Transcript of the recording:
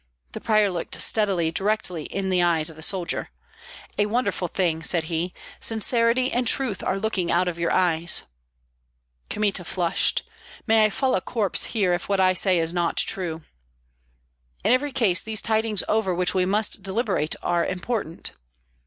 The prior looked steadily, directly in the eyes of the soldier. "A wonderful thing!" said he; "sincerity and truth are looking out of your eyes." Kmita flushed. "May I fall a corpse here if what I say is not true." "In every case these tidings over which we must deliberate are important."